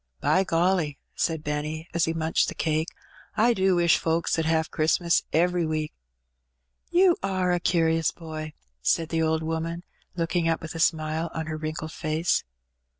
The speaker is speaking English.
''By golly !^^ said Benny, as he munched the cake, "I do wish folks ^ud ^ave Christmas ev^ry week.^^ ''You are a cur'us boy,^^ said the old woman, looking up with a smile on her wrinkled face.